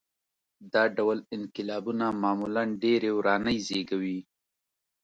دا ډول انقلابونه معمولاً ډېرې ورانۍ زېږوي.